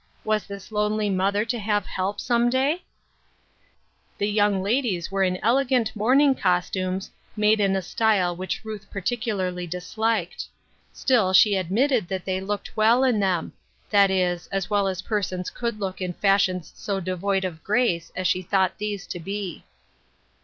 Was this lonely mother to have help, some day ? The young ladies were in elegant morning cos tumes, made in a style which Ruth particularly disliked. Still, she admitted that they looked well in them ; that is, as well as persons could look in fashions so devoid of grace as she thought these to be.